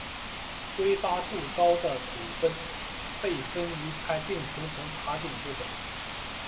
挥发度高的组分被分离开并形成塔顶产品。